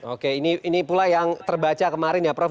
oke ini pula yang terbaca kemarin ya prof